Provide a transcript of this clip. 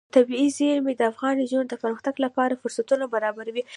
طبیعي زیرمې د افغان نجونو د پرمختګ لپاره فرصتونه برابروي.